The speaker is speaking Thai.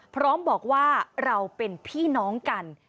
พร้อมบอกว่าเราเป็นพี่น้องกัน